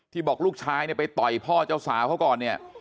บอกลูกชายเนี่ยไปต่อยพ่อเจ้าสาวเขาก่อนเนี่ย